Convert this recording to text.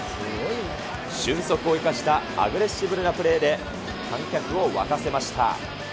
俊足を生かしたアグレッシブルなプレーで観客を沸かせました。